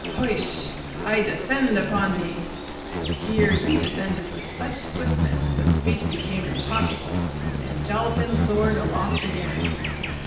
Hoish! I descend upon the—" Here he descended with such swiftness that speech became impossible, and Jollapin soared aloft again.